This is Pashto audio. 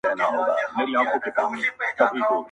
دکرنتین درخصتی څخه په استفاده٫